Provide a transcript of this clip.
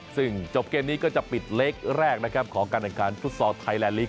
ซึ่งจบเกมนี้ก็จะปิดเล็กแรกนะครับของการแข่งขันฟุตซอลไทยแลนดลิก